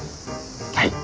はい。